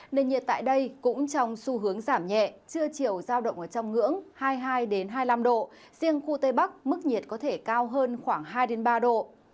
nền nhiệt tại đây cũng trong xu hướng giảm nhẹ trưa chiều giao động ở trong ngưỡng hai mươi hai hai mươi năm độ riêng khu tây bắc mức nhiệt có thể cao hơn khoảng hai ba độ